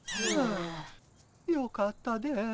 よかったです。